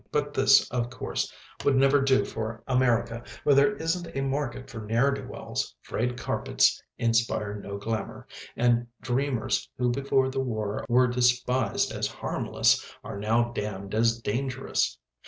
But this, of course, would never do for America where there isn't a market for ne'er do wells, frayed carpets inspire no glamour, and dreamers who before the war were despised as harmless, are now damned as dangerous.